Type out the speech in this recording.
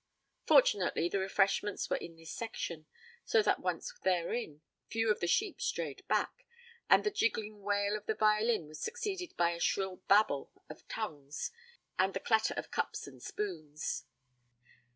Fortunately, the refreshments were in this section, so that once therein, few of the sheep strayed back, and the jiggling wail of the violin was succeeded by a shrill babble of tongues and the clatter of cups and spoons.